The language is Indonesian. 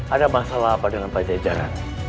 ada masalah apa dengan pajajaran